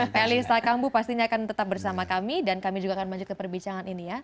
pak elisa kambu pastinya akan tetap bersama kami dan kami juga akan lanjut ke perbicaraan ini ya